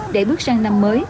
để bước sang năm mới